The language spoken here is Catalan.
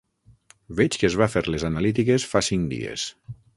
Veig que es va fer les analítiques fa cinc dies.